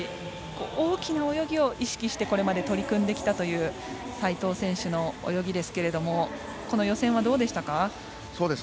大きな泳ぎを意識してこれまで取り組んできたという齋藤選手の泳ぎですけれどもこの予選はどうでしたか？